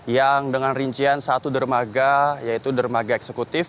yang dengan rincian satu dermaga yaitu dermaga eksekutif